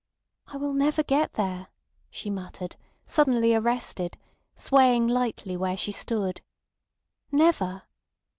"I will never get there," she muttered, suddenly arrested, swaying lightly where she stood. "Never."